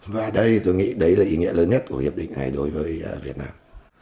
và tôi nghĩ đây là ý nghĩa lớn nhất của hiệp định này đối với việt nam